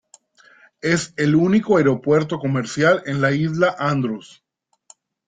Es el único aeropuerto comercial en la Isla Andros.